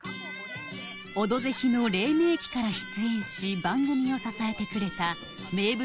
「オドぜひ」の黎明期から出演し番組を支えてくれた名物